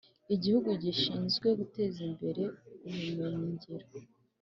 igihugu gishinzwe guteza imbere ubumenyi ngiro